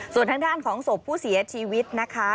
ส่วนทางด้านของศพผู้เสียชีวิตนะคะ